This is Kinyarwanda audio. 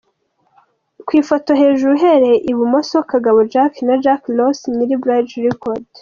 Ku ifoto hejuru: Uhereye i Bumoso Kagabo Jack na Jack Ross nyiri Bridge Records.